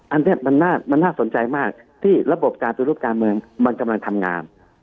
อันนี้มันน่าสนใจมากที่ระบบการปฏิรูปการเมืองมันกำลังทำงาน